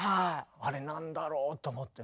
あれ何だろう？と思ってね。